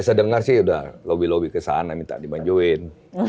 ya saya dengar sih udah lobby lobby ke sana minta dimajuin